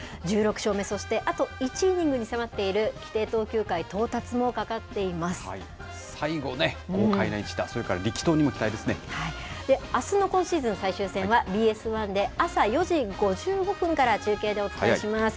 １６勝目、そしてあと１イニングに迫っている規定投球回到達もかかっていま最後ね、豪快な一打、それかあすの今シーズン最終戦は、ＢＳ１で朝４時５５分から中継でお伝えします。